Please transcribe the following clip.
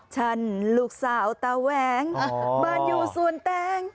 ฉันลูกสาวตาแหวงบ้านอยู่สวนแตง